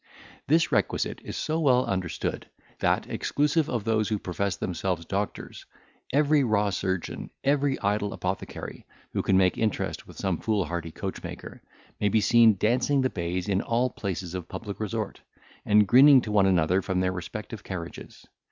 This requisite is so well understood, that, exclusive of those who profess themselves doctors, every raw surgeon, every idle apothecary, who can make interest with some foolhardy coachmaker, may be seen dancing the bays in all places of public resort, and grinning to one another from their respective carriages.